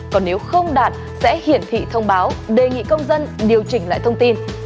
còn nếu không đạt sẽ hiển thị thông báo đề nghị công dân điều chỉnh lại thông tin